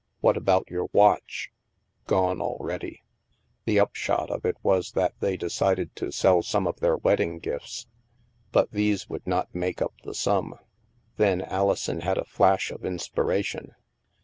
What about your watch ?"" Gone already." The upshot of it was that they decided to sell some of their wedding gifts. But these would not make up the sum. Then Alison had a flash of inspira tion.